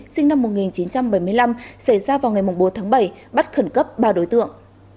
sinh năm một nghìn chín trăm bảy mươi năm xảy ra vào ngày bốn tháng bảy bắt khẩn cấp ba đối tượng